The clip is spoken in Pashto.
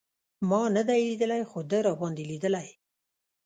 ما نه دی لېدلی خو ده راباندې لېدلی.